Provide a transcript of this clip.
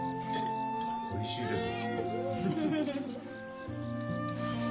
おいしいです。